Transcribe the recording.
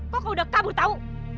kok kau udah kabur tau